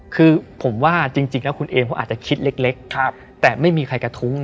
คือผมว่าจริงแล้วคุณเอมเขาอาจจะคิดเล็กแต่ไม่มีใครกระทุ้ง